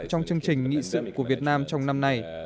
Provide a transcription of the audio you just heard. trong chương trình nghị sự của việt nam trong năm nay